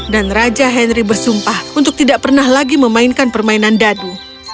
dan raja henry bersumpah untuk tidak pernah lagi memainkan permainan dadu